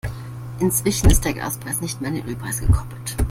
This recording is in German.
Inzwischen ist der Gaspreis nicht mehr an den Ölpreis gekoppelt.